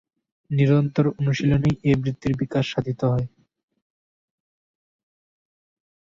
নিরন্তর অনুশীলনেই এ বৃত্তির বিকাশ সাধিত হয়।